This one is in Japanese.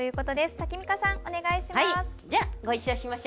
タキミカさん、お願いします。